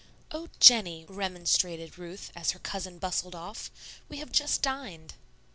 "Oh, Jennie," remonstrated Ruth, as her cousin bustled off, "we have just dined."